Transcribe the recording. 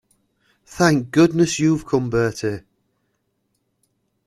Thank goodness you've come, Bertie.